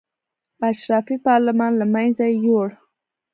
اشرافي پارلمان له منځه یې یووړ.